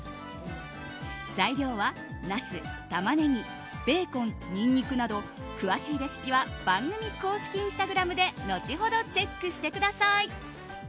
材料はナス、タマネギベーコン、ニンニクなど詳しいレシピは番組公式インスタグラムで後ほどチェックしてください。